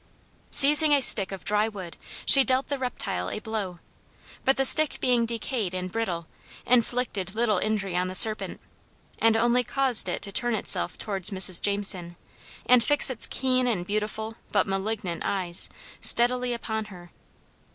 Seizing a stick of dry wood she dealt the reptile a blow, but the stick being decayed and brittle, inflicted little injury on the serpent, and only caused it to turn itself towards Mrs. Jameson, and fix its keen and beautiful, but malignant eyes, steadily upon her.